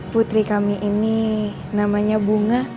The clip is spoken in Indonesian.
putri kami ini namanya bunga